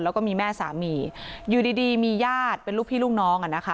แล้วก็มีแม่สามีอยู่ดีดีมีญาติเป็นลูกพี่ลูกน้องอ่ะนะคะ